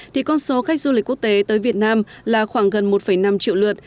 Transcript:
thì con số khách du lịch quốc tế tới việt nam là khoảng gần một năm triệu lượt